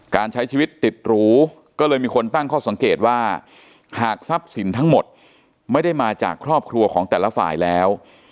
การใช้ชีวิตติดหรูก็เลยมีคนตั้งข้อสังเกตว่าหากทรัพย์สินทั้งหมดไม่ได้มาจากครอบครัวของแต่ละฝ่ายแล้ว